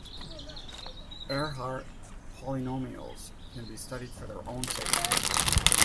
Ehrhart polynomials can be studied for their own sake.